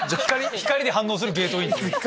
光に反応するゲートイン。